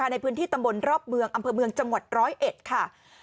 ในพื้นที่ตำบลรอบเมืองอำเภอเมืองจังหวัดร้อยเอ็ดค่ะ